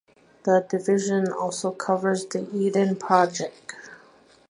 The division also covers the Eden Project.